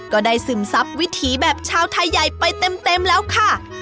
ซึมซับวิถีแบบชาวไทยใหญ่ไปเต็มแล้วค่ะ